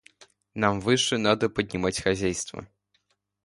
Нам выше надо поднимать хозяйство.